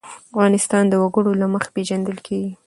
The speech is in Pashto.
افغانستان د وګړي له مخې پېژندل کېږي.